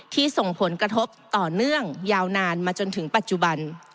ส่งผลกระทบต่อเนื่องยาวนานมาจนถึงปัจจุบัน